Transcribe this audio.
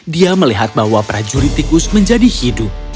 dia melihat bahwa prajurit tikus menjadi hidup